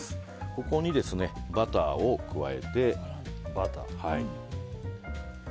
ここにバターを加えて。